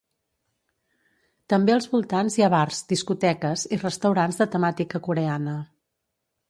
També als voltants hi ha bars, discoteques i restaurants de temàtica coreana.